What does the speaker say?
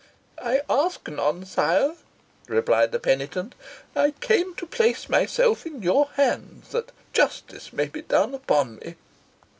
"I ask none, sire," replied the penitent. "I came to place myself in your hands, that justice may be done upon me."